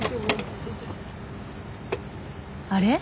あれ？